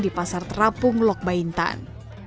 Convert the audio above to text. di pasar terapung lok bain tan